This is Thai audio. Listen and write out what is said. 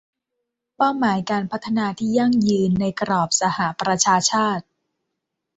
เป้าหมายการพัฒนาที่ยั่งยืนในกรอบสหประชาชาติ